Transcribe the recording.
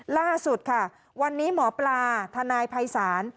ล่าสุดค่ะวันนี้หมอปลาทนายภัยศาล